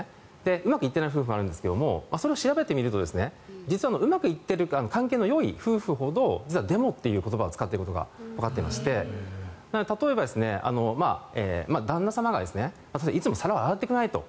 うまくいっていない夫婦もあるんですけどそれを調べてみると実はうまくいってる関係のいい夫婦ほど実は、「でも」という言葉を使っていることがわかっていまして例えば、旦那様がいつも皿を洗ってくれないと。